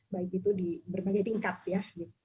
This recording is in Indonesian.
baik itu di berbagai tingkat ya